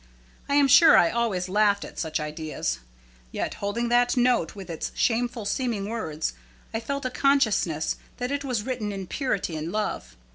I am sure I always laughed at such ideas. Yet holding that note with its shameful seeming words, I felt a consciousness that it was written in purity and love.